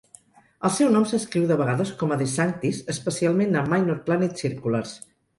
El seu nom s'escriu de vegades com a DeSanctis, especialment a "Minor Planet Circulars".